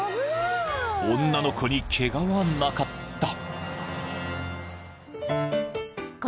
［女の子にケガはなかった］